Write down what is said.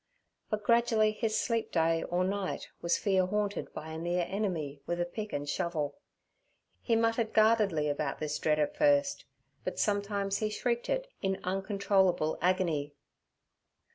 But gradually his sleep day or night was fear haunted by a near enemy with a pick and shovel. He muttered guardedly about this dread at first, but sometimes he shrieked it in uncontrollable agony.